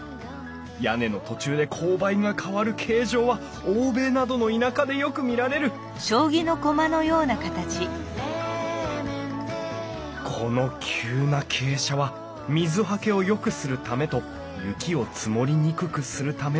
屋根の途中で勾配が変わる形状は欧米などの田舎でよく見られるこの急な傾斜は水はけをよくするためと雪を積もりにくくするためなんだよなあ